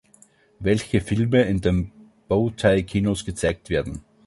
welche Filme in den Bow-Tie-Kinos gezeigt werden